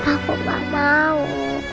aku gak mau